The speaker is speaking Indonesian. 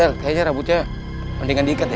eh tel kayaknya rambutnya mendingan diikat ya